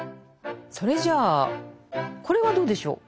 それじゃあこれはどうでしょう。